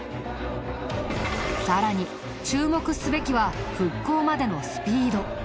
さらに注目すべきは復興までのスピード。